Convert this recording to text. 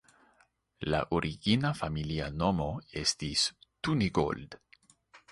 Lia origina familia nomo estis "Tunigold.